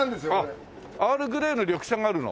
アールグレイの緑茶があるの？